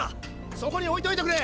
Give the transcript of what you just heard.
そこに置いておいてくれ！